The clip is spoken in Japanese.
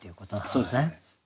そうですね。